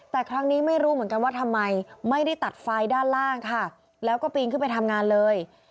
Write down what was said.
แต่ครั้งนี้ไม่รู้เหมือนกันว่าทำไมไม่ได้ตัดไฟด้านล่างค่ะแล้วก็ปีนขึ้นไปทำงานเลย